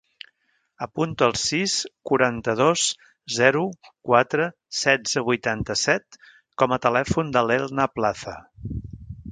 Apunta el sis, quaranta-dos, zero, quatre, setze, vuitanta-set com a telèfon de l'Elna Plaza.